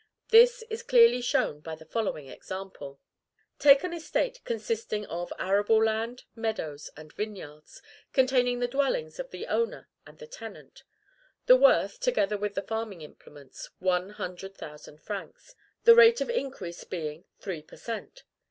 This is clearly shown by the following example: Take an estate consisting of arable land, meadows, and vineyards, containing the dwellings of the owner and the tenant; and worth, together with the farming implements, one hundred thousand francs, the rate of increase being three per cent.